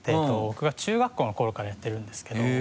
僕が中学校の頃からやってるんですけど。